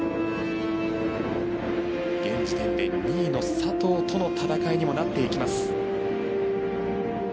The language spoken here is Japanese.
現時点で２位の佐藤との戦いにもなっていきます。